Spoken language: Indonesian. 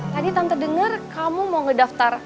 tadi tante dengar kamu mau ngedaftar